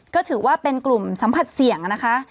ก็ถือว่าเป็นกลุ่มสัมผัสเสี่ยงนะคะ